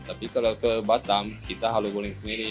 tapi kalau ke batam kita haluh guling sendiri